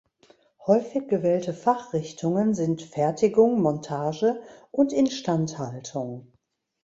Häufig gewählte Fachrichtungen sind Fertigung, Montage und Instandhaltung.